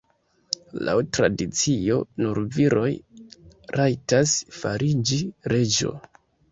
Laŭ tradicio nur viroj rajtas fariĝi reĝo.